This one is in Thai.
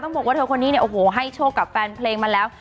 บอกว่าเธอคนนี้เนี่ยโอ้โหให้โชคกับแฟนเพลงมาแล้ว